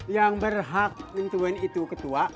yang berhak menurut gue itu ketua